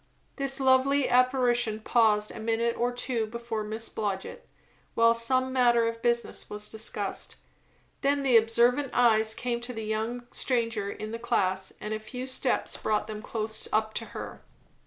This lovely apparition paused a minute or two before Miss Blodgett, while some matter of business was discussed; then the observant eyes came to the young stranger in the class, and a few steps brought them close up to her.